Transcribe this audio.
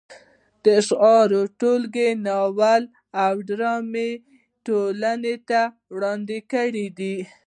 شعري ټولګې، ناولونه او ډرامې یې ټولنې ته وړاندې کړې دي.